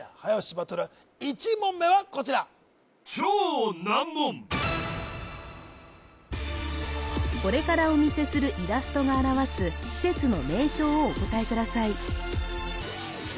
バトル１問目はこちらこれからお見せするイラストが表す施設の名称をお答えください